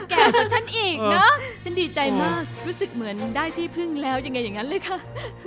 แก่คนฉันอีกเนอะฉันดีใจมากรู้สึกเหมือนได้ที่พึ่งแล้วยังไงอย่างนั้นเลยค่ะ